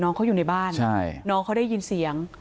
น้องเขาอยู่ในบ้านน้องเขาได้ยินเสียง